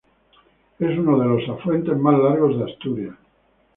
Es uno de los afluentes más largos de Asturias.